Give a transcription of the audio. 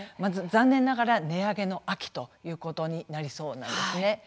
残念ながら、値上げの秋ということになりそうなんですね。